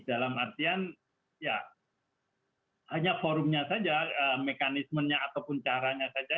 dalam artian ya hanya forumnya saja mekanismenya ataupun caranya saja